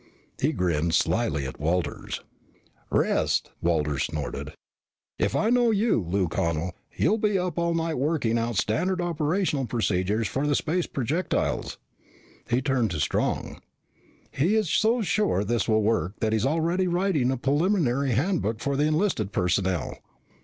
He grinned slyly at Walters. "Rest," Walters snorted. "If I know you, Lou Connel, you'll be up all night working out standard operational procedures for the space projectiles." He turned to Strong. "He's so sure this will work that he's already writing a preliminary handbook for the enlisted personnel."